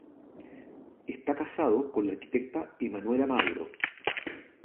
Está casado con la arquitecta Emanuela Mauro.